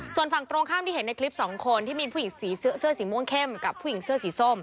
ส่วนฝั่งตรงข้ามที่เห็นในคลิปสองคนที่มีผู้หญิงเสื้อสีม่วงเข้มกับผู้หญิงเสื้อสีส้ม